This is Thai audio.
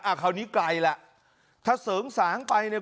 คราวนี้ไกลล่ะถ้าเสริงสางไปเนี่ย